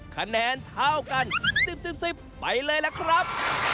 คะแนนเท่ากัน๑๐๑๐ไปเลยล่ะครับ